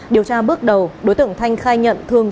điều tra bước đầu đối tượng thanh khai nhận thường